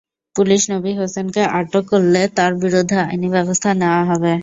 Police Nabi হোসেনকে আটক করলে তার বিরুদ্ধে আইনি ব্যবস্থা নেওয়া হবে।